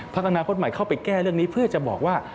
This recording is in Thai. อนาคตใหม่เข้าไปแก้เรื่องนี้เพื่อจะบอกว่า